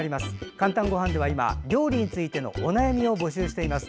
「かんたんごはん」では今料理についてのお悩みを募集しています。